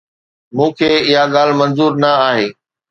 مون کي اها ڳالهه منظور نه آهي